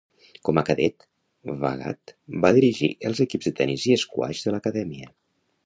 Com a cadet, Bhagat va dirigir els equips de tenis i esquaix de l'acadèmia.